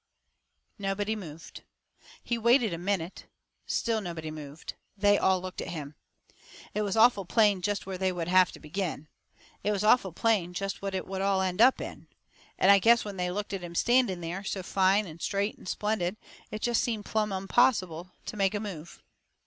Nobody moved. He waited a minute. Still nobody moved. They all looked at him. It was awful plain jest where they would have to begin. It was awful plain jest what it would all end up in. And I guess when they looked at him standing there, so fine and straight and splendid, it jest seemed plumb unpossible to make a move.